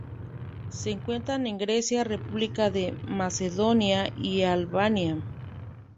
Se encuentra en Grecia, República de Macedonia y Albania.